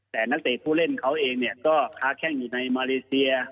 แต่นักเตะผู้เล่นเขาเองเนี่ยก็ค้าแข้งอยู่ในมาเลเซีย